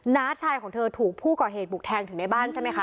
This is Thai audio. น้าชายของเธอถูกผู้ก่อเหตุบุกแทงถึงในบ้านใช่ไหมคะ